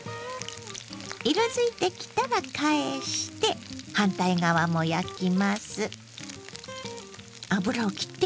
色づいてきたら返して反対側も焼きます。